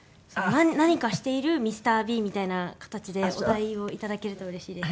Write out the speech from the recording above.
何かしているＭｒ．ビーンみたいな形でお題をいただけるとうれしいです。